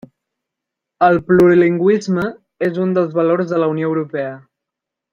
El plurilingüisme és un dels valors de la Unió Europea.